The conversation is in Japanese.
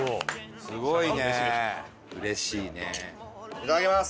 いただきます！